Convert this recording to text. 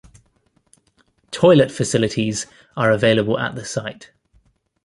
Toilet facilities are available at the site.